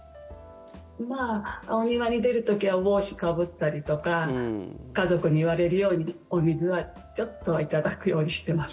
お庭に出る時はお帽子かぶったりとか家族に言われるようにお水はちょっとはいただくようにしてます。